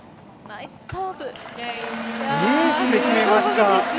エースで決めました。